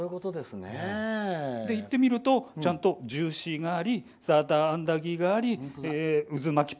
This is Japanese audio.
行ってみるとちゃんとジューシーがありサーターアンダギーがあり渦巻き